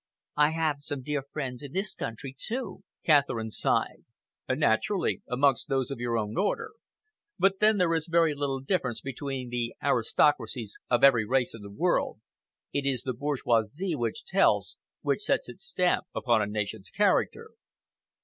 "I have some dear friends in this country, too," Catherine sighed. "Naturally amongst those of your own order. But then there is very little difference between the aristocracies of every race in the world. It is the bourgeoisie which tells, which sets its stamp upon a nation's character."